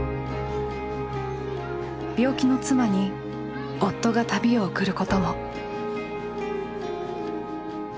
病気の妻に夫が旅を贈ることも。